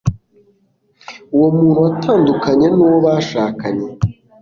uwo muntu watandukanye n'uwo bashakanye